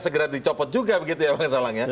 segera dicopot juga ya bang solang